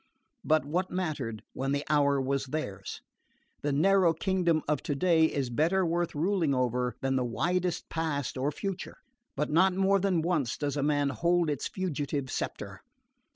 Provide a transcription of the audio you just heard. But what mattered, when the hour was theirs? The narrow kingdom of today is better worth ruling over than the widest past or future; but not more than once does a man hold its fugitive sceptre.